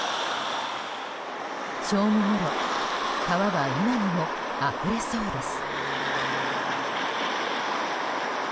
正午ごろ川は今にもあふれそうです。